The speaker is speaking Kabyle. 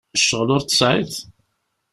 Ccɣel ur t-tesεiḍ?